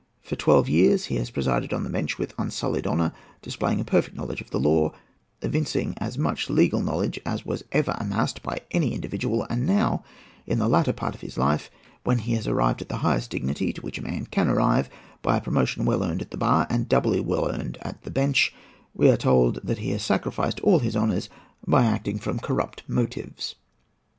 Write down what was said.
For twelve years he has presided on the bench with unsullied honour, displaying a perfect knowledge of the law; evincing as much legal knowledge as was ever amassed by any individual; and now, in the latter part of his life, when he has arrived at the highest dignity to which a man can arrive, by a promotion well earned at the bar, and doubly well earned at the bench, we are told that he has sacrificed all his honours by acting from corrupt motives!"